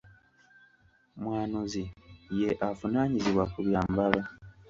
Mwanuzi ye avunaanyizibwa ku byambalo.